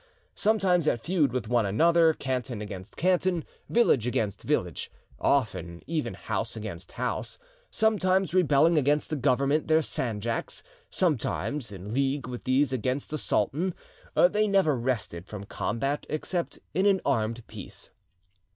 Sometimes at feud with one another, canton against canton, village against village, often even house against house; sometimes rebelling against the government their sanjaks; sometimes in league with these against the sultan; they never rested from combat except in an armed peace.